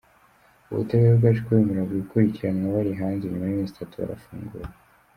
Ubutabera bwaje kubemerera gukurikiranwa bari hanze, nyuma y’iminsi itatu barafungurwa.